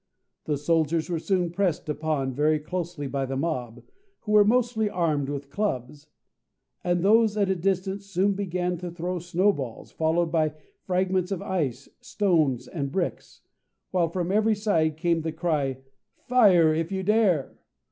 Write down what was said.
The soldiers were soon pressed upon very closely by the mob, who were mostly armed with clubs; and those at a distance soon began to throw snowballs, followed by fragments of ice, stones and sticks, while from every side came the cry, "_Fire, if you dare!